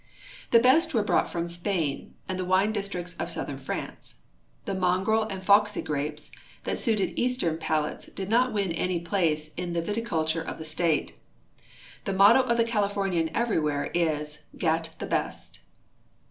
The best were brought from Spain and the wine districts of southern France. The mongrel and fox}'' grapes that suited eastern pal ates did not win any place in the viticulture of the state. The motto of the Californian everywhere is, "Get the best."